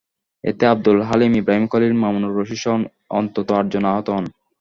এতে আবদুল হালিম, ইব্রাহিম খলিল, মামুনুর রশীদসহ অন্তত আটজন আহত হন।